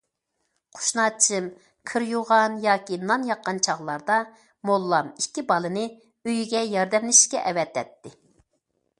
قۇشناچىم كىر يۇغان ياكى نان ياققان چاغلاردا موللام ئىككى بالىنى ئۆيىگە ياردەملىشىشكە ئەۋەتەتتى.